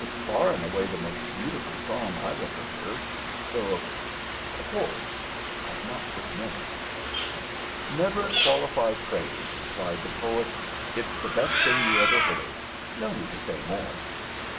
"It's far and away the most beautiful song I've ever heard, though of course I've not heard many." "Never qualify praise," replied the poet. "It's the best thing you ever heard. No need to say more."